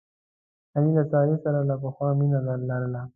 علي له سارې سره له پخوا مینه لرله.